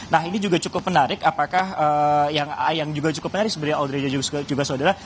nah ini juga cukup menarik apakah yang juga cukup menarik sebenarnya audrey dan juga saudara